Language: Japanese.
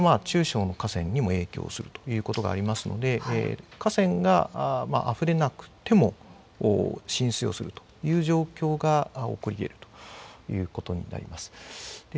それが、中小の河川でも影響するということがありますので、河川があふれなくても、浸水をするという状況が起こりえるということになります。